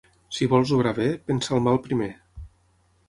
Si vols obrar bé, pensa el mal primer.